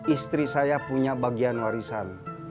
istri saya punya bagian warisan